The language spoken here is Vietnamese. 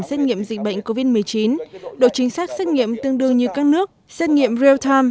xét nghiệm dịch bệnh covid một mươi chín độ chính xác xét nghiệm tương đương như các nước xét nghiệm real time